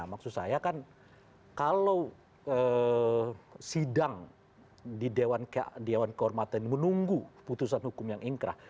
maksud saya kan kalau sidang di dewan kehormatan menunggu putusan hukum yang ingkrah